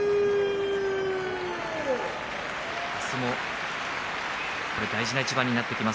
明日も大事な一番になってきます